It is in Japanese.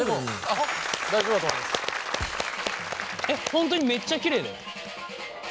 本当にめっちゃきれいだよ。